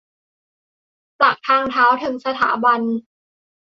จากทางเท้าถึงสถาบัน